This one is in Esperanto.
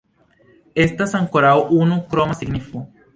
Estas ankoraŭ unu kroma signifo.